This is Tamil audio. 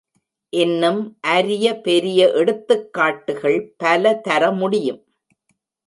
இன்னும் அரிய பெரிய எடுத்துக் காட்டுகள் பல தர முடியும்.